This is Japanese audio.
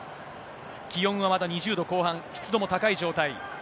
気温はまだ２０度後半、湿度も高い状態。